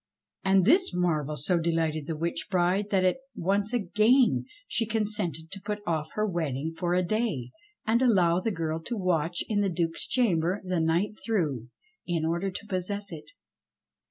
And this marvel so delighted the witch bride that once again she consented to put off her wedding for a day, and allow the girl to watch in the Duke's chamber the night through, in order to possess it.